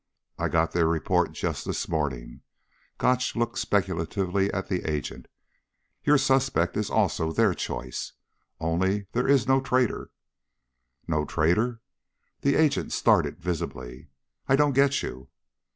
I got their report just this morning." Gotch looked speculatively at the agent. "Your suspect is also their choice. Only there is no traitor." "No traitor?" The agent started visibly. "I don't get you."